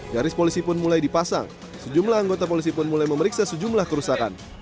garis polisi pun mulai dipasang sejumlah anggota polisi pun mulai memeriksa sejumlah kerusakan